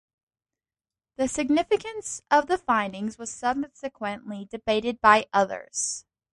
The significance of the findings was subsequently debated by others.